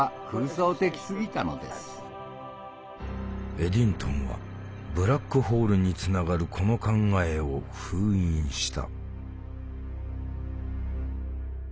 エディントンはブラックホールにつながるこの考えを封印した。